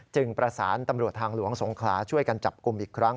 ประสานตำรวจทางหลวงสงขลาช่วยกันจับกลุ่มอีกครั้ง